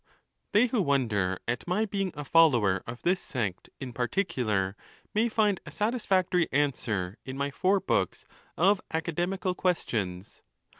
They who wonder at my being a follower of this sect in particular may find a satisfactory answer in my four books of Academical Questions.